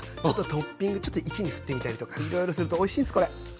トッピングちょっと一味ふってみたりとかいろいろするとおいしいんすこれ。